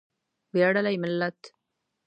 ویاړلی ملت.